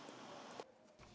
kinh tế hộ dân